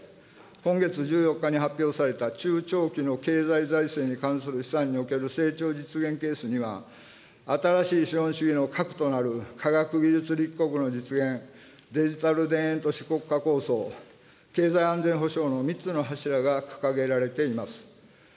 一方で、今月１４日に発表された中長期の経済財政に関する試算における成長実現ケースには、新しい資本主義の核となる科学技術立国の実現、デジタル田園都市国家構想、経済安全保障の３つの柱が掲げられています。